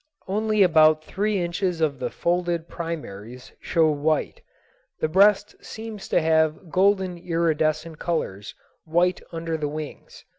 Only about three inches of the folded primaries show white. The breast seems to have golden iridescent colors, white under the wings.